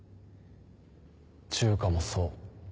中華もそう。